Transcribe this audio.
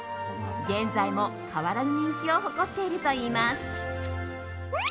現在も、変わらぬ人気を誇っているといいます。